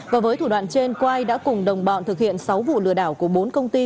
và với thủ đoạn trên quai đã cùng đồng bọn thực hiện sáu vụ lừa đảo của bốn công ty